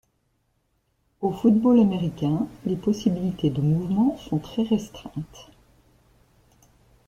Au football américain les possibilités de mouvements sont très restreintes.